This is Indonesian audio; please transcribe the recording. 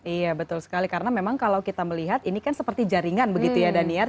iya betul sekali karena memang kalau kita melihat ini kan seperti jaringan begitu ya daniar